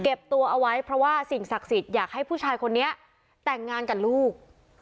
ตัวเอาไว้เพราะว่าสิ่งศักดิ์สิทธิ์อยากให้ผู้ชายคนนี้แต่งงานกับลูก